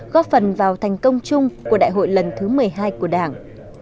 góp phần vào thành công chung của đại hội lần thứ một mươi hai của đảng